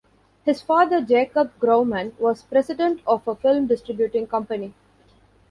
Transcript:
His father, Jacob Grauman, was president of a film distributing company.